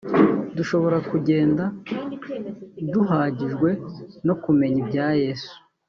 dushobora kugenda duhagijwe no kumenya ibya Yesu